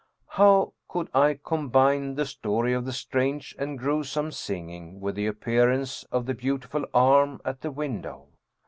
How could I combine the story of the strange and grewsome singing with the appearance of the beautiful arm at the window?